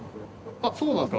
あっそうなんですか？